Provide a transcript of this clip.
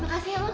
makasih ya bang